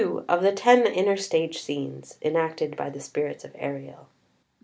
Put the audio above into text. OF THE TEN INNER STAGE SCENES [Enacted by the Spirits of Ariel.